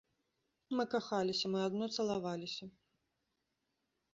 Мы кахаліся, мы адно цалаваліся.